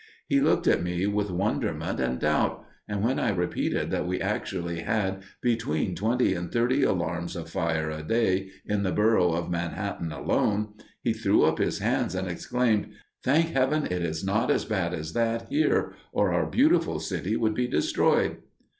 He looked at me with wonderment and doubt, and when I repeated that we actually had between twenty and thirty alarms of fire a day in the Borough of Manhattan alone, he threw up his hands and exclaimed, "Thank heaven, it is not as bad as that here, or our beautiful city would be destroyed!"